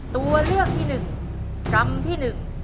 ตัวเลือกที่๑กรัมที่๑